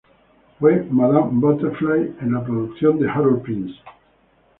Fue Madama Butterfly en la producción de Harold Prince.